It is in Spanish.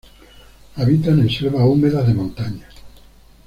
Habitan en selvas húmedas de montaña.